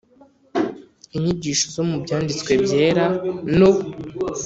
inyigisho zo mu Byanditswe Byera no